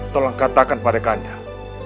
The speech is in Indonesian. tolong katakan pada kandang